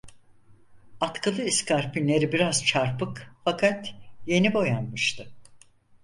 Atkılı iskarpinleri biraz çarpık, fakat yeni boyanmıştı.